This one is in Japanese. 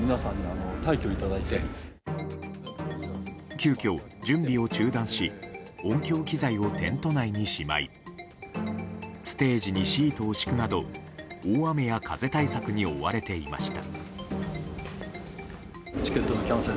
急きょ、準備を中断し音響機材をテント内にしまいステージにシートを敷くなど大雨や風対策に追われていました。